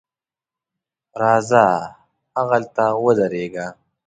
راځه هغلته ودرېږه.